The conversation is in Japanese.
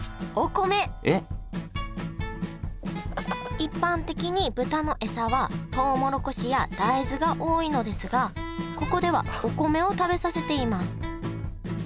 一般的に豚の餌はトウモロコシや大豆が多いのですがここではお米を食べさせています